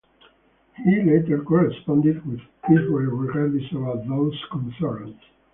He later corresponded with Israel Regardie about those concerns.